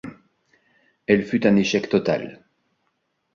Elle fut un échec total.